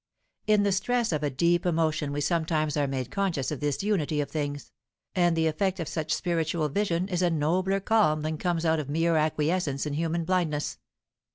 In the stress of a deep emotion we sometimes are made conscious of this unity of things, and the effect of such spiritual vision is a nobler calm than comes of mere acquiescence in human blindness.